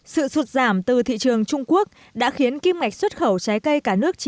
sự sụt giảm từ thị trường trung quốc đã khiến kim ngạch xuất khẩu trái cây cả nước